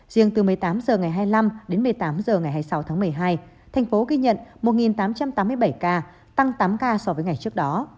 riêng từ một mươi tám h ngày hai mươi năm đến một mươi tám h ngày hai mươi sáu tháng một mươi hai thành phố ghi nhận một tám trăm tám mươi bảy ca tăng tám ca so với ngày trước đó